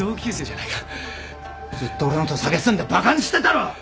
ずっと俺のことさげすんでバカにしてたろ！